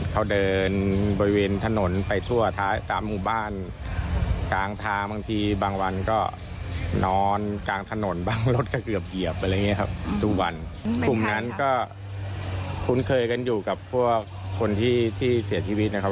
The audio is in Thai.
กลุ่มนั้นก็คุ้นเคยกันอยู่กับพวกคนที่เสียชีวิตนะครับ